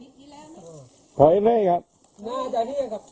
เหลืองเท้าอย่างนั้น